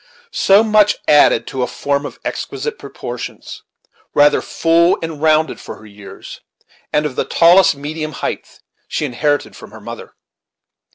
So much, added to a form of exquisite proportions, rather full and rounded for her years, and of the tallest medium height, she inherited from her mother.